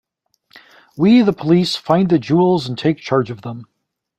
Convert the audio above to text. We, the police, find the jewels and take charge of them.